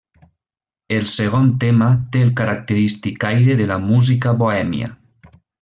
El segon tema té el característic aire de la música bohèmia.